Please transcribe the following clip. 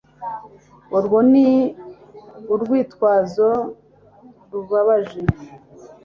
urwo ni urwitwazo rubabaje